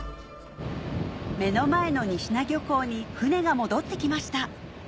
目の前の仁科漁港に船が戻ってきました